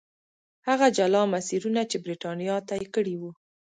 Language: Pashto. هغه جلا مسیرونه چې برېټانیا طی کړي وو.